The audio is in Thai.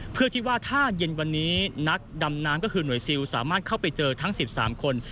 เพื่อที่ว่าถ้าเย็นวันนี้นักดำน้ำก็คือหน่วยซิลสามารถเข้าไปเจอทั้ง๑๓คน